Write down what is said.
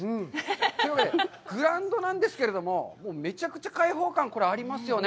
というわけで、グラウンドなんですけど、めちゃくちゃ開放感、これありますよね。